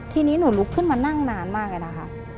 ทีนี้หนูลุกขึ้นมานั่งนานมากเลยนะคะ